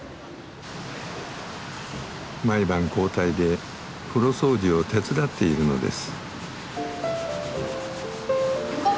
毎晩交代で風呂掃除を手伝っているのです。